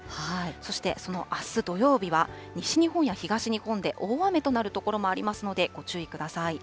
そしてそのあす土曜日は、西日本や東日本で大雨となる所もありますので、ご注意ください。